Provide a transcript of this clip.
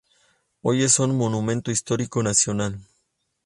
Hoy es un monumento histórico nacional.